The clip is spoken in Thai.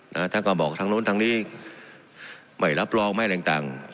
นะฮะท่านความบอกทางโน้นทางนี้ไม่รับรองไม่อะไรต่าง